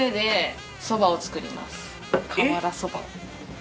瓦そばを。